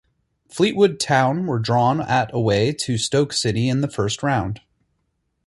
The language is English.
Fleetwood Town were drawn at away to Stoke City in the first round.